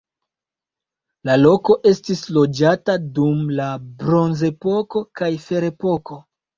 La loko estis loĝata dum la bronzepoko kaj ferepoko.